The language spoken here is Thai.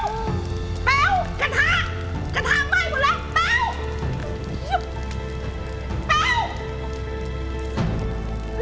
กระทะไหม้หมดแล้ว